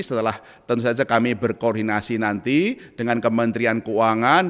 setelah tentu saja kami berkoordinasi nanti dengan kementerian keuangan